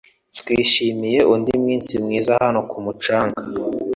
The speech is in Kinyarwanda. Twishimiye undi munsi mwiza hano ku mucanga.